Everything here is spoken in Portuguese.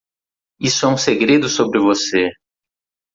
Isso é um segredo sobre você.